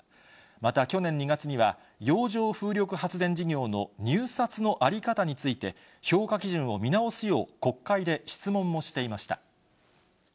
また去年２月には、洋上風力発電事業の入札の在り方について、評価基準を見直すよう、国会で質問もしていました。